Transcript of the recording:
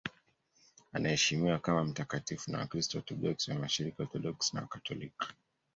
Anaheshimiwa kama mtakatifu na Wakristo Waorthodoksi wa Mashariki, Waorthodoksi na Wakatoliki.